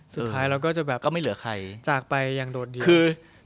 สุดท้ายเราก็จะแบบจากไปอย่างโดดเดียว